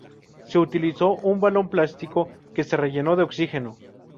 Se utilizó un balón plástico que se rellenó de oxígeno.